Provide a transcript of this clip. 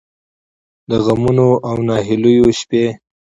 د غمـونـو او نهـيليو شـپې